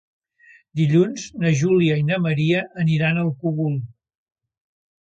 Dilluns na Júlia i na Maria aniran al Cogul.